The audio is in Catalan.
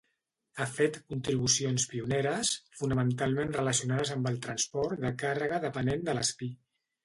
Ha fet contribucions pioneres, fonamentalment relacionades amb el transport de càrrega depenent de l'espí.